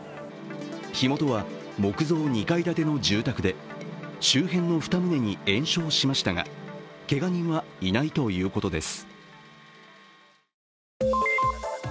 火元は木造２階建ての住宅で周辺の２棟に延焼しましたが、けが人はいないということです。